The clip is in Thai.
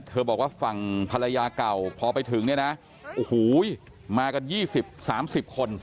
บอกว่าฝั่งภรรยาเก่าพอไปถึงเนี่ยนะโอ้โหมากัน๒๐๓๐คน